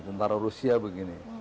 tentara rusia begini